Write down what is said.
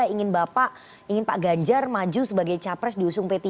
ingin bapak ingin pak ganjar maju sebagai capres diusung p tiga